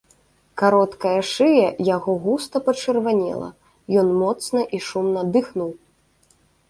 Кароткая шыя яго густа пачырванела, ён моцна і шумна дыхнуў.